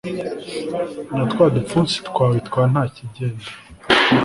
natwa dupfunsi twawe twantakigenda